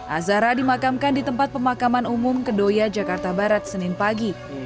azahra dimakamkan di tempat pemakaman umum kedoya jakarta barat senin pagi